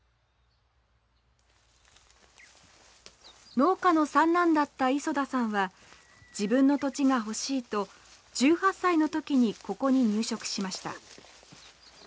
農家の三男だった磯田さんは自分の土地が欲しいと１８歳の時にここに入植しました。